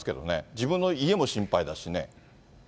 自分の家も心配だしね。